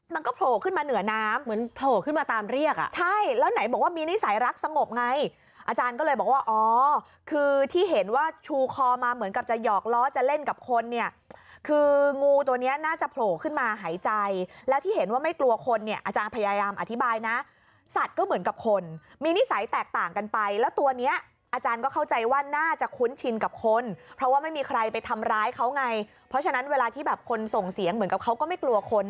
มันก็โผล่ขึ้นมาเหนือน้ำเหมือนโผล่ขึ้นมาตามเรียกอ่ะใช่แล้วไหนบอกว่ามีนิสัยรักสงบไงอาจารย์ก็เลยบอกว่าอ๋อคือที่เห็นว่าชูคอมาเหมือนกับจะหยอกล้อจะเล่นกับคนเนี่ยคืองูตัวเนี่ยน่าจะโผล่ขึ้นมาหายใจแล้วที่เห็นว่าไม่กลัวคนเนี่ยอาจารย์พยายามอธิบายนะสัตว์ก็เหมือนกับคนมีนิสัยแตกต